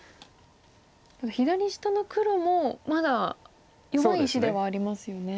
左下の黒もまだ弱い石ではありますよね。